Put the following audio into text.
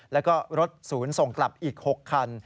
แล้วก็รถศูนย์ส่งกลับอีก๖คัน